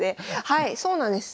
はいそうなんです。